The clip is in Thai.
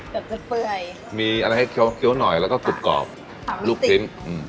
เกือบจะเปื่อยมีอะไรให้เคี้ยวเคี้ยวหน่อยแล้วก็กรูปกรอบสามสิบลูกชิ้น